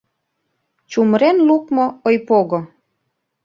ЧУМЫРЕН ЛУКМО ОЙПОГО